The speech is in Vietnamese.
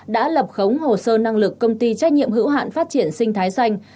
đã lập khống hồ sơ năng lực công ty trách nhiệm hữu hạn phát triển sinh thái xanh